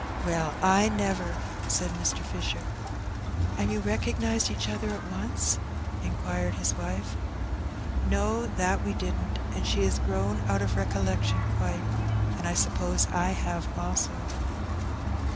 "WeU, I never!" said Mr. Fisher. "And you recognized each other at once?" inquired his wife. " No, that we didn't : she has grown out of recollection quite; and I suppose I have also."